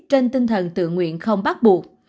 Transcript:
trên tinh thần tự nguyện không bác buộc